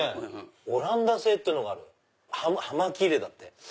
オランダ製ってのがある葉巻入れだって。